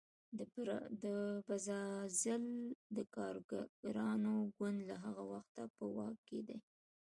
د بزازیل د کارګرانو ګوند له هغه وخته په واک کې دی.